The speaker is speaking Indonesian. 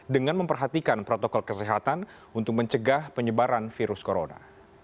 dengan memperhatikan protokol kesehatan untuk mencegah penyebaran virus corona